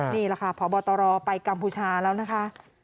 นี่แหละค่ะพบตรไปกัมพูชาแล้วนะคะ